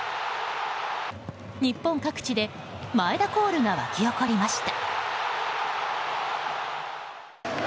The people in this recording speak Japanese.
日本各地で前田コールが沸き起こりました。